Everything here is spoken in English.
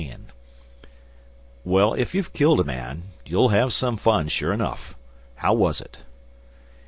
"Well, if you've killed a man, you'll have some fun, sure enough. How was it?"